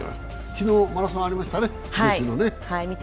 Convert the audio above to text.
昨日、マラソンありましたね、女子のね。